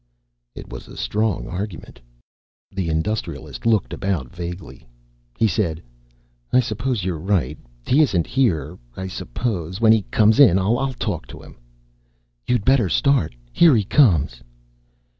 It was a strong argument. The Industrialist looked about vaguely. He said, "I suppose you're right. He isn't here, I suppose. When he comes in, I'll talk to him." "You'd better start. Here he comes."